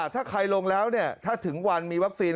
ถ้าใครลงแล้วถ้าถึงวันมีวัคซีน